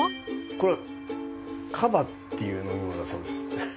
これはカバっていう飲み物だそうです。